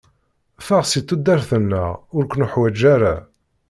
Ffeɣ si tudert-nteɣ, ur k-nuḥwaǧ ara.